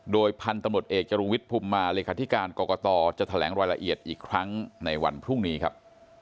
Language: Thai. โดยพันธุ์ตำรวจเอกจรุงวิทย์ภูมิมาเลขาธิการกรกตจะแถลงรายละเอียดอีกครั้งในวันพรุ่งนี้ครับ